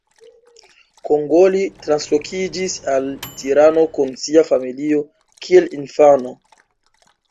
Kongoli translokiĝis al Tirano kun sia familio kiel infano.